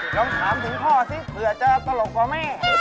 ลองถามถึงพ่อสิเผื่อจะตลกกว่าแม่